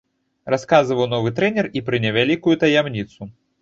Расказаў новы трэнер і пра невялікую таямніцу.